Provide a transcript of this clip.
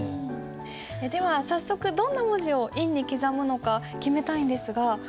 では早速どんな文字を印に刻むのか決めたいんですが。